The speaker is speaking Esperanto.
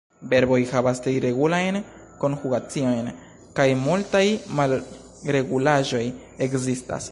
Verboj havas tri regulajn konjugaciojn, kaj multaj malregulaĵoj ekzistas.